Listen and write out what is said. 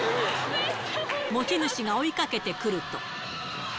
持ち主が追いかけてくると。